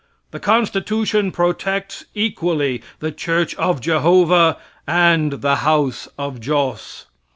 The constitution protects equally the church of Jehovah and the house of Joss.